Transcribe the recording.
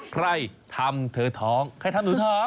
ใครทำเธอท้องใครทำหนูท้อง